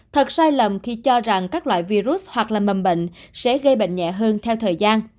thật sai lầm khi cho rằng các loại virus hoặc là mầm bệnh sẽ gây bệnh nhẹ hơn theo thời gian